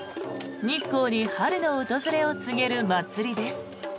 日光に春の訪れを告げる祭りです。